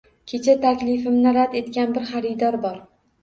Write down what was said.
Kecha taklifimni rad etgan bir xaridor bor.